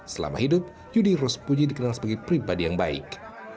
selama hidup yudi rospuji dikenal sebagai pribadi yang baik